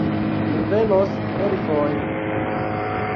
Mi venos elfoj